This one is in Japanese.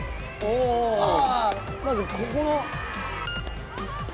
まずここの」